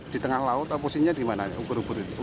di tengah laut oposisinya di mana ubur ubur itu